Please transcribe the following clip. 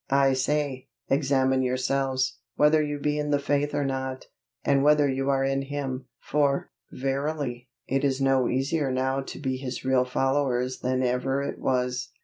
I say, examine yourself, whether you be in the faith or not, and whether you are in Him; for, verily, it is no easier now to be His real followers than ever it was.